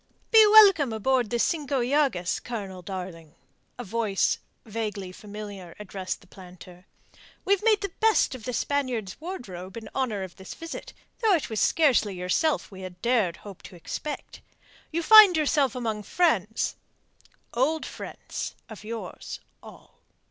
"Be welcome aboard the Cinco Llagas, Colonel, darling," a voice vaguely familiar addressed the planter. "We've made the best of the Spaniards' wardrobe in honour of this visit, though it was scarcely yourself we had dared hope to expect. You find yourself among friends old friends of yours, all."